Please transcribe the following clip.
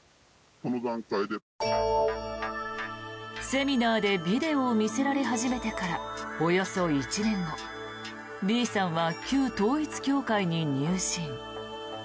セミナーでビデオを見せられ始めてからおよそ１年後Ｂさんは旧統一教会に入信。